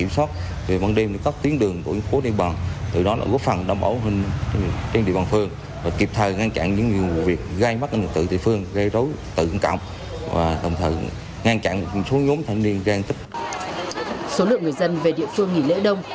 số lượng người dân về địa phương nghỉ lễ đông